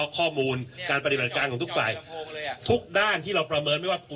ข้อมูลการปฏิบัติการของทุกฝ่ายทุกด้านที่เราประเมินไม่ว่า